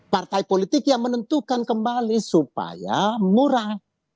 partai politik yang menentukan kembali supaya murah